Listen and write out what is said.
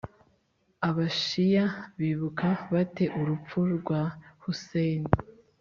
abashiya bibuka bate urupfu rwa ḥusayn?